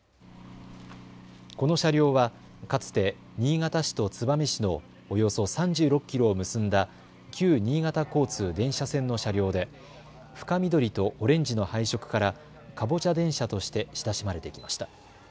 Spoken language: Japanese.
この車両はかつて新潟市と燕市のおよそ３６キロを結んだ旧新潟交通電車線の車両で深緑とオレンジの配色からかぼちゃ電車として親しまれてきました。